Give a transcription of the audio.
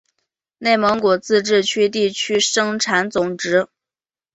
内蒙古自治区地区生产总值